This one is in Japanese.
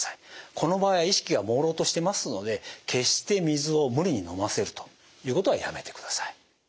この場合意識がもうろうとしてますので決して水を無理に飲ませるということはやめてください。